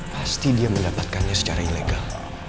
pasti dia mendapatkannya secara ilegal